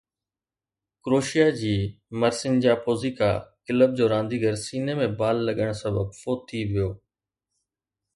Croatia جي مرسينجا Pozega club جو رانديگر سيني ۾ بال لڳڻ سبب فوت ٿي ويو